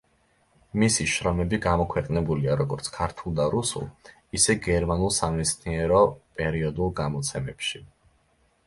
მისი შრომები გამოქვეყნებულია როგორც ქართულ და რუსულ, ისე გერმანულ სამეცნიერო პერიოდულ გამოცემებში.